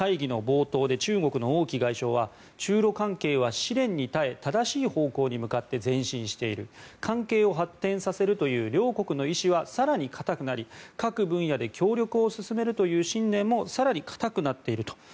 会議の冒頭で中国の王毅外相は中ロ関係は試練に耐え正しい方向に向かって前進している関係を発展させるという両国の意思は更に固くなり各分野で協力を進めるという信念も更に固くなっていると。